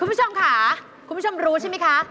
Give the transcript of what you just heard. คุณผู้ชมค่ะคุณผู้ชมรู้ใช่ไหมคะ